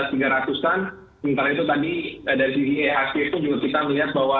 sementara itu tadi dari sisi ihsg pun juga kita melihat bahwa